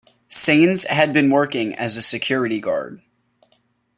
Sanes had been working as a security guard.